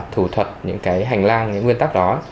thủ thuật những cái hành lang những nguyên tắc đó